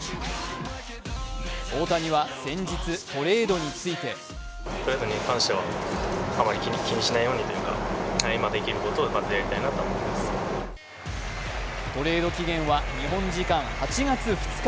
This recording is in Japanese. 大谷は先日、トレードについてトレード期限は日本時間８月２日。